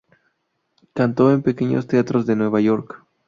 Cantó en pequeños teatros de Nueva York.